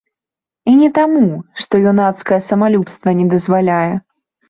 І не таму, што юнацкае самалюбства не дазваляе.